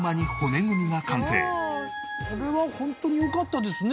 これはホントによかったですね